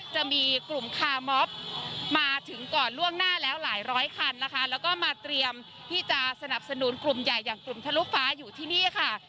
จะมีกลุ่มคาร์มอบมาถึงก่อนล่วงหน้าแล้วหลายร้อยคันนะคะแล้วก็มาเตรียมที่จะสนับสนุนกลุ่มใหญ่อย่างกลุ่มทะลุฟ้าอยู่ที่นี่ค่ะ